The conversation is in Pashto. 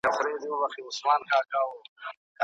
ماشوم کولای سي په خپله ژبه ازاد فکر وکړي.